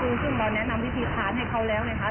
คือซึ่งเราแนะนำวิธีทานให้เขาแล้วนะคะ